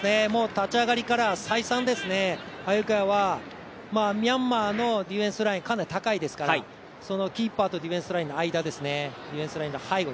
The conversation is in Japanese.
立ち上がりから再三鮎川はミャンマーのディフェンスラインかなり高いですからそのキーパーと、ディフェンスラインの間ですね